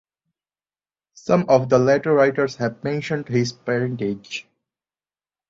Some of the later writers have mentioned his parentage.